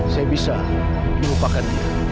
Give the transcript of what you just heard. saya bisa melupakan dia